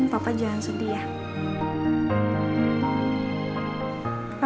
papa jangan sedih ya